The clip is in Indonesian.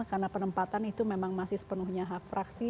karena penempatan itu memang masih sepenuhnya hak fraksi